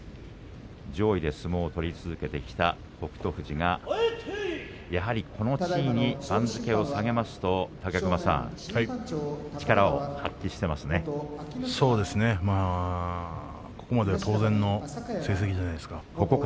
上位で相撲を取り続けてきた北勝富士がこの地位に番付を下げるとここまでは当然の成績じゃないですか。